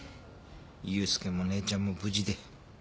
佑介も姉ちゃんも無事で。